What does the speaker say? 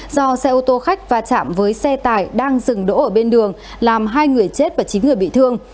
do xe ô tô khách va chạm với xe tải đang dừng đỗ ở bên đường làm hai người chết và chín người bị thương